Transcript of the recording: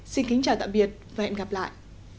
xin kính chào tạm biệt và hẹn gặp lại